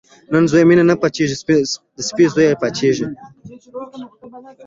د نه زويه مينه نه پاتېږي ، د سپي زويه پاتېږي.